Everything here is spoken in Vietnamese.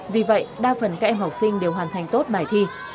vì vậy đa phần các em học sinh đều hoàn thành tốt bài thi